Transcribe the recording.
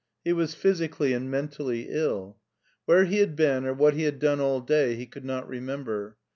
He was physically and mentally ill. Where he had been or what he had done all day he could not remember.